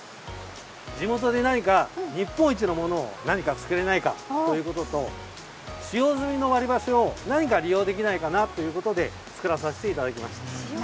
地元で何か日本一のものを作れないかということと使用済みの割り箸を何か利用できないかなということで作らせていただきました。